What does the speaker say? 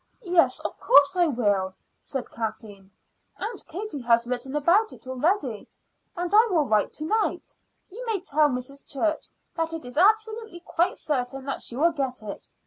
"Yes, of course I will," said Kathleen. "Aunt Katie has written about it already, and I will write to night. You may tell Mrs. Church that it is absolutely quite certain that she will get it.